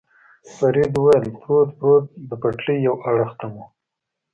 فرید وویل: پروت، پروت، د پټلۍ یو اړخ ته مو.